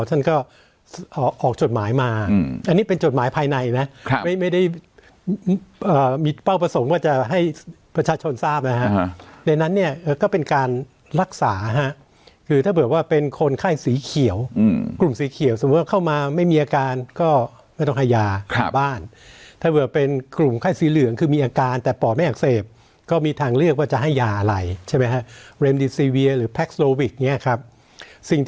อันนี้เป็นจดหมายภายในนะครับไม่ได้อ่ามีเป้าประสงค์ว่าจะให้ประชาชนทราบนะฮะในนั้นเนี้ยก็เป็นการรักษาฮะคือถ้าเผื่อว่าเป็นคนไข้สีเขียวอืมกลุ่มสีเขียวสมมุติว่าเข้ามาไม่มีอาการก็ไม่ต้องให้ยาครับบ้านถ้าเผื่อเป็นกลุ่มไข้สีเหลืองคือมีอาการแต่ปอดไม่อักเสบก็มีทางเลือกว่าจะให้ยาอะไร